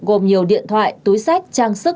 gồm nhiều điện thoại túi sách trang sức